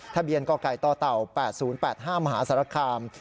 ทะเบียนกไก่ต่อเต่า๘๐๘๕มหาสารคาม